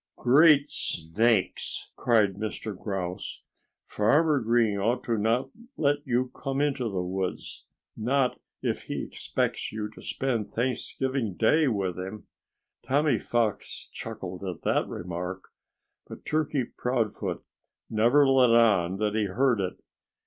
"Great snakes!" cried Mr. Grouse. "Farmer Green ought not to let you come into the woods not if he expects you to spend Thanksgiving Day with him!" Tommy Fox chuckled at that remark. But Turkey Proudfoot never let on that he heard it.